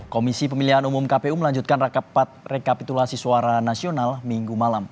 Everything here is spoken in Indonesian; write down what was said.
komisi pemilihan umum kpu melanjutkan rapat rekapitulasi suara nasional minggu malam